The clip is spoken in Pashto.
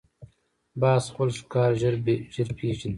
باز خپل ښکار ژر پېژني